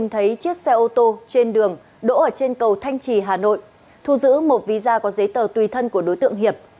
nhìn thấy chiếc xe ô tô trên đường đỗ ở trên cầu thanh trì hà nội thu giữ một ví da có giấy tờ tùy thân của đối tượng hiệp